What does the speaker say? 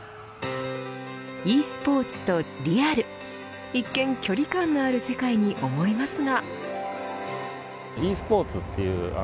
ｅスポーツとリアル一見、距離感のある世界に思いますが。